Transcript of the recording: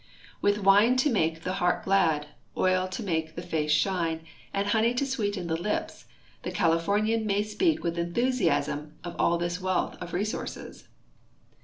With wine to make his heart glad, oil to make his face to shine, and honey to sweeten his lips, the Californian may speak with enthusiasm of all this wealth of resources.